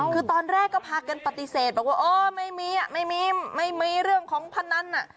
คือตอนแรกก็พากันปฏิเสธบอกว่าเออไม่มีไม่มีเรื่องของพนัน